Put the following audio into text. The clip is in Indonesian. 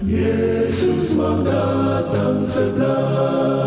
yesus mau datang segera